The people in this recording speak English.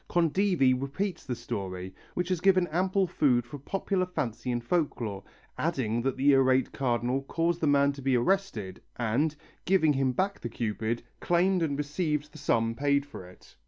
Condivi repeats the story, which has given ample food for popular fancy and folklore, adding that the irate Cardinal caused the man to be arrested and, giving him back the Cupid, claimed and received the sum paid for it.